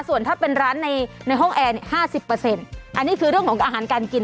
ส่วนถ้าเป็นร้านในห้องแอร์๕๐อันนี้คือเรื่องของอาหารการกิน